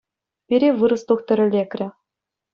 Пире вырӑс тухтӑрӗ лекрӗ.